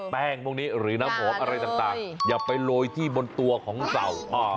แป้งพวกนี้หรือน้ำหอมอะไรต่างอย่าไปโรยที่บนตัวของเสา